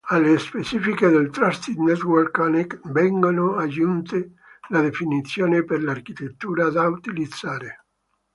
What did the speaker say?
Alle specifiche del Trusted Network Connect vengono aggiunte le definizioni per l'architettura da utilizzare.